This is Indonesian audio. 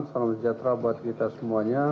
salam sejahtera buat kita semuanya